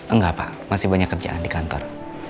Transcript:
enggak pak masih banyak kerjaan di kantor